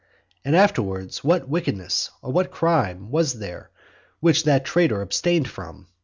And afterwards what wickedness, or what crime was there which that traitor abstained from?